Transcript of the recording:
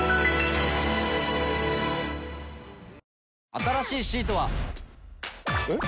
新しいシートは。えっ？